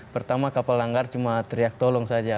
pertama kapal langgar cuma teriak tolong saja